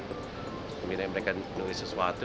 kemudian mereka menulis sesuatu